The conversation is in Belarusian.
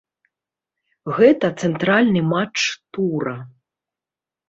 Гэта цэнтральны матч тура.